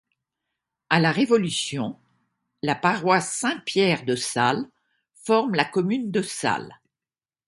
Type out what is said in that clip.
À la Révolution, la paroisse Saint-Pierre de Salles forme la commune de Salles.